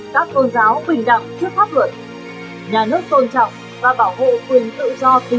các tôn giáo bình đẳng trước pháp luận nhà nước tôn trọng và bảo hộ quyền tự do tín ngưỡng tôn giáo